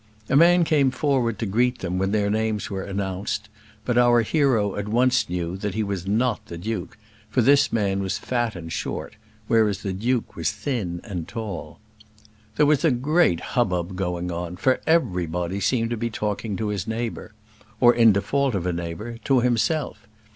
A man came forward to greet them when their names were announced; but our hero at once knew that he was not the duke; for this man was fat and short, whereas the duke was thin and tall. There was a great hubbub going on; for everybody seemed to be talking to his neighbour; or, in default of a neighbour, to himself.